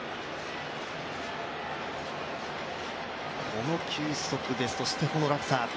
この球速で、そしてこの落差。